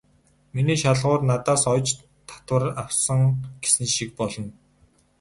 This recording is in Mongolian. Миний шалгуур надаас оёж татвар авсан" гэсэн шиг болно.